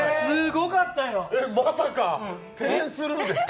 まさか、テレンス・ルーですか？